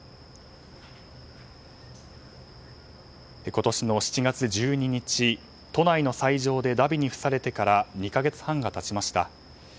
今年の７月１２日都内の斎場でだびに付されてから２か月半が経ちました。